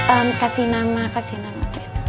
om kasih nama kasih nama